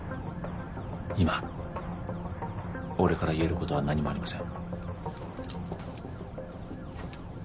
今俺から言えることは何もありません